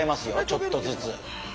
ちょっとずつ。